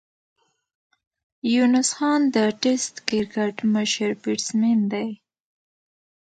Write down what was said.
یونس خان د ټېسټ کرکټ مشر بېټسمېن دئ.